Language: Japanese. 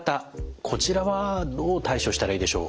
こちらはどう対処したらいいでしょう。